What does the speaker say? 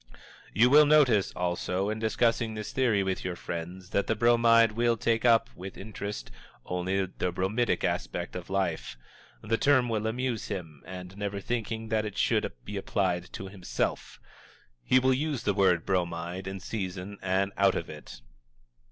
You will notice, also, in discussing this theory with your friends, that the Bromide will take up, with interest, only the bromidic aspect of life. The term will amuse him, and, never thinking that it should be applied to himself, he will use the word "Bromide" in season and out of it.